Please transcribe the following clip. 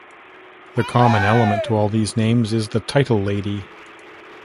The common element to all these names is the title Lady.